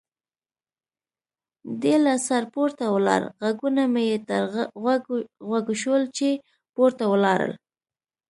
دی له سره پورته ولاړ، غږونه مې یې تر غوږو شول چې پورته ولاړل.